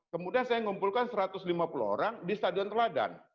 kemudian saya ngumpulkan satu ratus lima puluh orang di stadion teladan